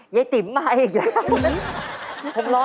ยายติ๋มมาอีกแล้ว